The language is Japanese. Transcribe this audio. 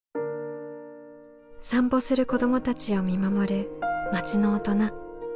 散歩する子どもたちを見守る町の大人。